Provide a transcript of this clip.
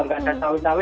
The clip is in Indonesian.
nggak ada tau tau